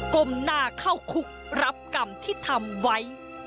ก้มหน้าเข้าคุกรับกรรมที่ทำไว้